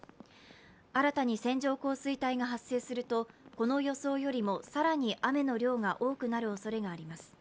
新たに線状降水帯が発生すると、この予想よりも更に雨の量が多くなるおそれがあります。